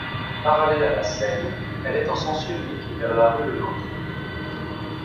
Parallèle à la Seine, elle est en sens unique vers la rue Le Nôtre.